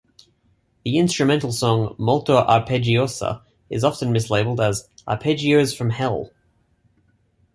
The instrumental song "Molto Arpeggiosa" is often mislabelled as "Arpeggios from Hell".